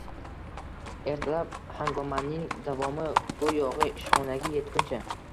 Ertalab hangomaning davomi, bu yog`i ishxonaga etguncha